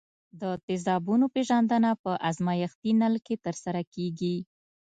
د تیزابونو پیژندنه په ازمیښتي نل کې ترسره کیږي.